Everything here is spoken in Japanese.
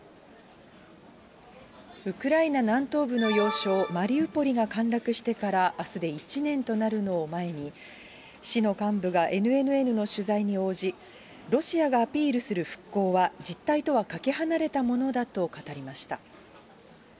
ウクライナ南東部の要衝、マリウポリが陥落してから、あすで１年となるのを前に、市の幹部がＮＮＮの取材に応じ、ロシアがアピールする復興は実態とはかけ離れたものだと語りました。